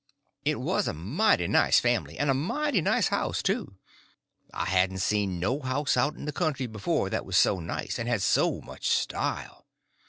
It was a mighty nice family, and a mighty nice house, too. I hadn't seen no house out in the country before that was so nice and had so much style.